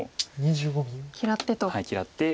嫌ってと。嫌って。